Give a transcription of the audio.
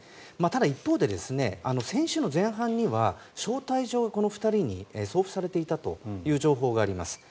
ただ一方で、先週の前半には招待状、この２人に送付されていたという情報があります。